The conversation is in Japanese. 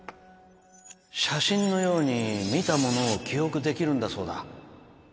写真のように見たものを記憶できるんだそうだ